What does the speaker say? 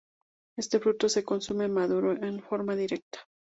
Este fruto se consume maduro, en forma directa.